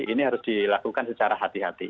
ini harus dilakukan secara hati hati